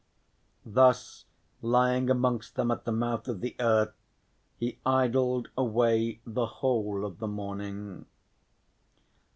Thus lying amongst them at the mouth of the earth he idled away the whole of the morning.